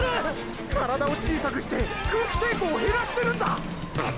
体を小さくして空気抵抗を減らしてるんだ！！